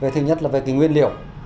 thứ nhất là về nguyên liệu